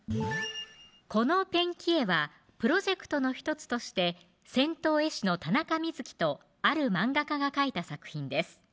このペンキ絵はプロジェクトの１つとして銭湯絵師の田中みずきとある漫画家が描いた作品です